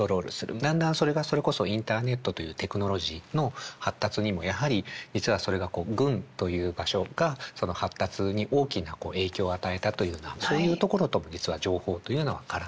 だんだんそれがそれこそインターネットというテクノロジーの発達にもやはり実はそれが軍という場所が発達に大きな影響を与えたというようなそういうところとも実は情報というのは絡んでいる。